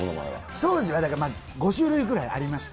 当時は５種類ぐらいありまして。